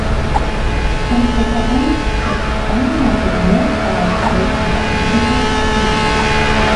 Սոմխեթական չրխկանն ապրում է սաղարթավոր անտառների բացատներում։